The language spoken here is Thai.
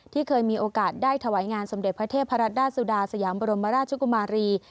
ที่เคยมีโอกาสได้ถวายงานสมเด็จพระเทพรัตดาสุดาสยามบรมราชกุมารี